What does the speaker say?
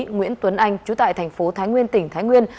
nguyễn tuấn anh chú tại thành phố thái nguyên tỉnh thái nguyên